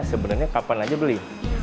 sebenarnya kapan saja beli